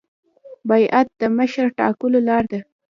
بیعت د مشر ټاکلو لار ده